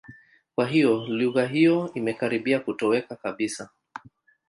Kwa hiyo lugha hiyo imekaribia kutoweka kabisa.